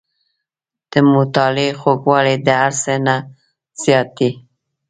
• د مطالعې خوږوالی د هر څه نه زیات دی.